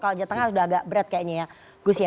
kalau jawa tengah sudah agak berat kayaknya ya